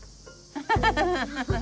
ハハハハハ。